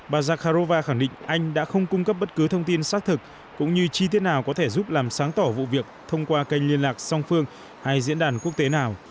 bà zakharova khẳng định anh đã không cung cấp bất cứ thông tin xác thực cũng như chi tiết nào có thể giúp làm sáng tỏ vụ việc thông qua kênh liên lạc song phương hay diễn đàn quốc tế nào